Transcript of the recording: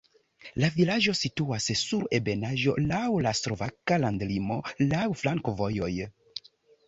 La vilaĝo situas sur ebenaĵo, laŭ la slovaka landlimo, laŭ flankovojoj.